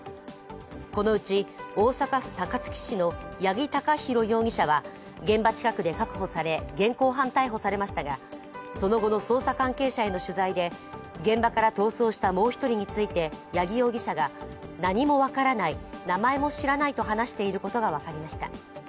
このうち大阪府高槻市の八木貴寛容疑者は現場近くで確保され、現行犯逮捕されましたが、その後の捜査関係者への取材で現場から逃走したもう一人について八木容疑者は何も分からない、名前も知らないと話していることが分かりました。